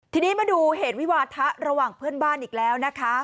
ทีนี้มาดูเหตุวิวาทะระหว่างเพื่อนบ้านอีกแล้วนะคะ